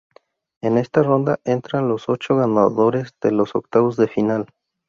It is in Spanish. En esta ronda entran los ocho ganadores de los octavos de final.